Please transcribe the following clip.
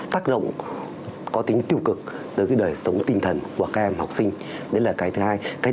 tác động có tính tiêu cực tới cái đời sống tinh thần của các em học sinh đấy là cái thứ hai cái